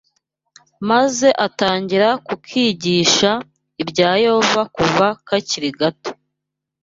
maze atangira kukigisha ibya Yehova kuva kakiri gato